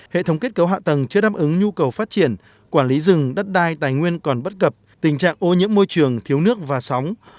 hệ thống kết cấu hạ tầng chưa đáp ứng nhu cầu phát triển quản lý rừng đất đai tài nguyên còn bất cập tình trạng ô nhiễm môi trường thiếu nước và sóng